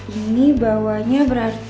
ini bagus nggak dirap